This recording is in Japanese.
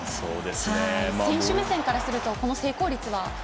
選手目線からするとこの成功率は？